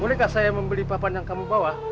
bolehkah saya membeli papan yang kamu bawa